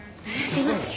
すいません。